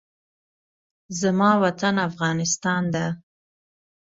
زما وطن افغانستان ده